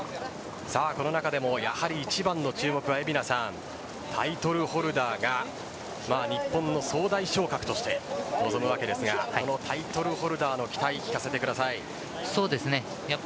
この中でも、やはり一番の注目はタイトルホルダーが日本の総大将格として臨むわけですがこのタイトルホルダーの期待聞かせてください。